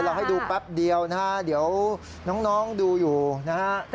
เราให้ดูแป๊บเดียวนะครับเดี๋ยวน้องดูอยู่นะครับ